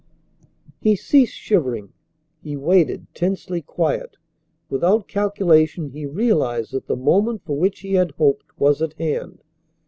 He ceased shivering. He waited, tensely quiet. Without calculation he realized that the moment for which he had hoped was at hand.